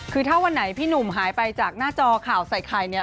คือถ้าวันไหนพี่หนุ่มหายไปจากหน้าจอข่าวใส่ไข่เนี่ย